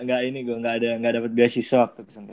enggak ini gue gak dapet beasiswa